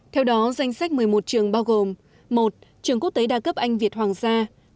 theo đó danh sách một mươi một trường bao gồm một trường quốc tế đa cấp anh việt hoàng gia